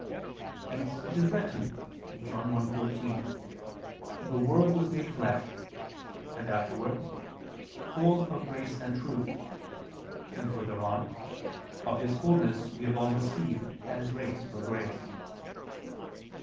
Hence it is written (John 1:14): "The Word was made flesh," and afterwards: "full of grace and truth"; and further on: "Of His fulness we all have received, and grace for grace."